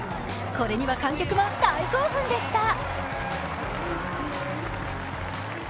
これには観客も大興奮でした。